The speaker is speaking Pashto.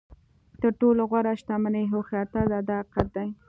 تر ټولو غوره شتمني هوښیارتیا ده دا حقیقت دی.